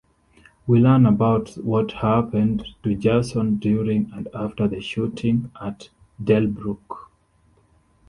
We learn about what happened to Jason during and after the shooting at Delbrook.